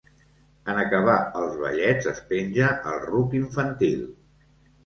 En acabar els ballets es penja el ruc infantil.